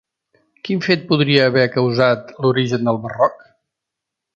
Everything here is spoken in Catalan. Quin fet podria haver causat l'origen del Barroc?